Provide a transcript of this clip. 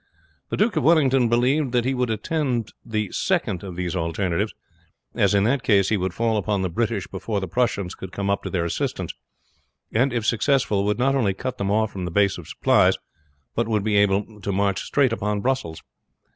The Duke of Wellington believed that he would attempt the second of these alternatives, as in that case he would fall upon the British before the Prussians could come up to their assistance, and if successful would not only cut them off from the base of supplies, but would be able to march straight upon Brussels.